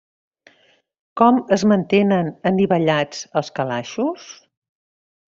Com es mantenen anivellats els calaixos?